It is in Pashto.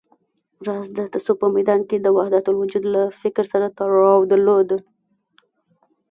راز د تصوف په ميدان کې د وحدتالوجود له فکر سره تړاو درلود